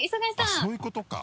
あっそういうことか。